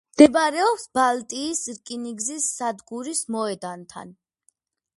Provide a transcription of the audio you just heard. მდებარეობს ბალტიის რკინიგზის სადგურის მოედანთან.